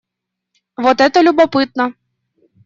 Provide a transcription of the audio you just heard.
Вот это любопытно.